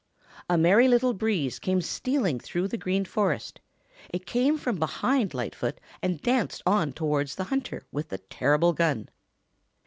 A Merry Little Breeze came stealing through the Green Forest. It came from behind Lightfoot and danced on towards the hunter with the terrible gun.